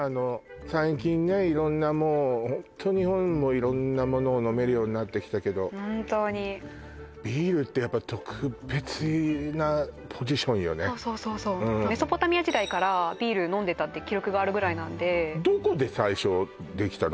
最近ね色んなもうホント日本も色んなものを飲めるようになってきたけど本当にそうそうそうそうメソポタミア時代からビール飲んでたって記録があるぐらいなんでどこで最初できたの？